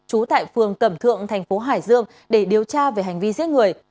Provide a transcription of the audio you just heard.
trú tại phường cẩm thượng thành phố hải dương để điều tra về hành vi giết người